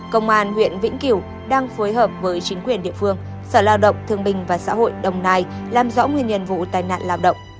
công an huyện vĩnh kiểu đang phối hợp với chính quyền địa phương sở lao động thương bình và xã hội đồng nai làm rõ nguyên nhân vụ tai nạn lao động